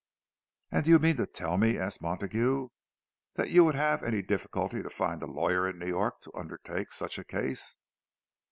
"And do you mean to tell me," asked Montague, "that you would have any difficulty to find a lawyer in New York to undertake such a case?"